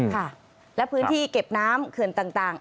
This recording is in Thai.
ค่ะและพื้นที่เก็บน้ำเขื่อนต่าง